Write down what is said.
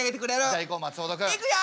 じゃあいこう松本君。いくよ！